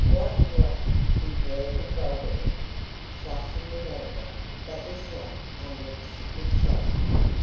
"What rot!" he blurted vulgarly, flushing with anger that was not unmixed with shame.